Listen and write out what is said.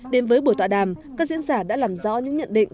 đến với buổi tọa đàm các diễn giả đã làm rõ những nhận định